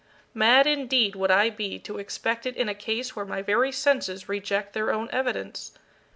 Mad indeed would I be to expect it in a case where my very senses reject their own evidence.